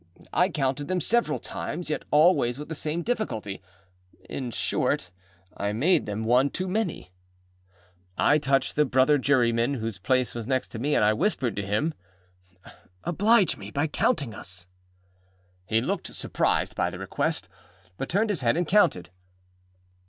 I counted them several times, yet always with the same difficulty. In short, I made them one too many. I touched the brother jurymen whose place was next me, and I whispered to him, âOblige me by counting us.â He looked surprised by the request, but turned his head and counted.